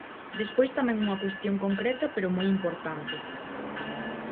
Despois tamén unha cuestión concreta pero moi importante.